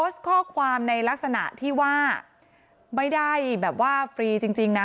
ข้อความในลักษณะที่ว่าไม่ได้แบบว่าฟรีจริงนะ